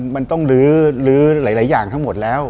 มันต้องลื้อหลายอย่างทั้งหมดแล้ว